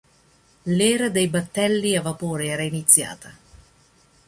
L’era dei battelli a vapore era iniziata.